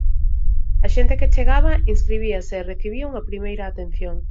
A xente que chegaba inscribíase e recibía unha primeira atención.